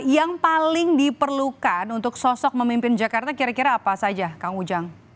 yang paling diperlukan untuk sosok memimpin jakarta kira kira apa saja kang ujang